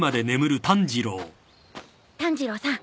炭治郎さん。